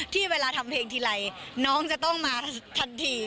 ที่เวลาทำเพลงทีไรน้องจะต้องมาทันที